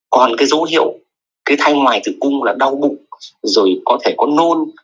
còn cái dấu hiệu cái thanh ngoài tử cung là đau bụng rồi có thể có nôn